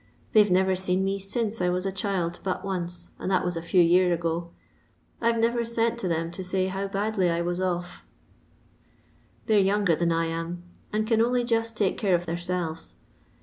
They've never seen me since I was a child but once, and that was a few year ago. I 've never sent to them to say how badly I was o£ They 're yonnger than I am, and can only just take care of theirselves.